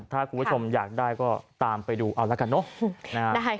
ถ้าคุณผู้ชมอยากได้ก็ตามไปดูเอาละกันเนอะ